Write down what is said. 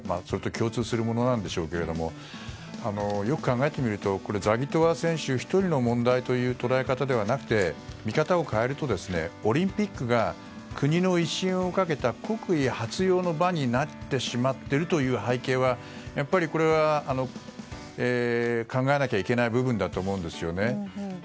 それと共通するものなんでしょうけどよく考えてみるとザギトワ選手１人の問題という捉えた方ではなくて見方を変えるとオリンピックが国の威信をかけた国威発揚の場になってしまっているという背景は考えなきゃいけない部分だと思うんですね。